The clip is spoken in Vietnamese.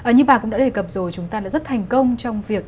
như bà cũng đã đề cập rồi chúng ta đã rất thành công trong việc trở thành